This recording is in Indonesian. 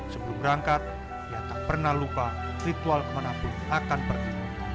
sebelum berangkat ia tak pernah lupa ritual kemana pun akan berikut